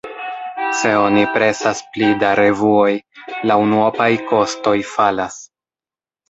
Se oni presas pli da revuoj, la unuopaj kostoj falas.